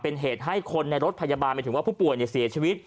เป็นเหตุให้คนในรถพยาบาลหมายถึงว่าผู้ป่วยเสียชีวิต